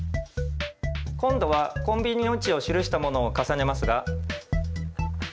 今度はコンビニの位置を記したものを重ねますが。